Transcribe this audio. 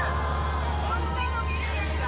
こんなの見れるんだ。